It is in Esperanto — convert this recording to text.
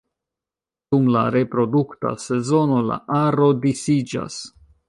Dum la reprodukta sezono la aro disiĝas.